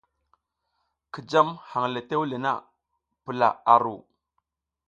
Ki jam hang le tewle na, pula a ru.